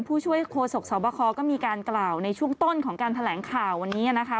ผู้ช่วยโคศกสวบคก็มีการกล่าวในช่วงต้นของการแถลงข่าววันนี้นะคะ